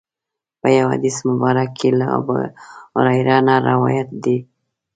په یو حدیث مبارک کې له ابوهریره نه روایت دی.